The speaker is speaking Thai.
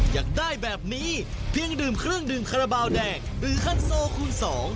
อยากได้แบบนี้เพียงดื่มเครื่องดื่มคาราบาลแดงหรือคันโซคูณสอง